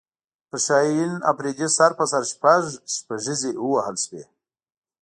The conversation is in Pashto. پر شاهین افریدي سر په سر شپږ شپږیزې ووهل شوې